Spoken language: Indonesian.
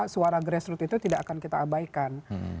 suara grassroot itu tidak akan kita abaikan